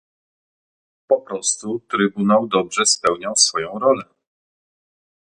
Po prostu Trybunał dobrze spełniał swoją rolę